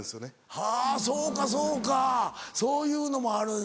はぁそうかそうかそういうのもある。